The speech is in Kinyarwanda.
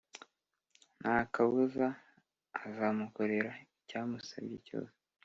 ntakabuza azamukorera icyamusabye cyose.